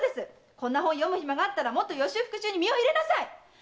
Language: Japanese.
こんな本読む暇があったらもっと予習復習に身を入れなさい。